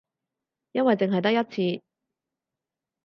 因為淨係得一次